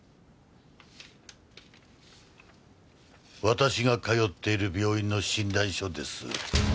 私が通っている病院の診断書です。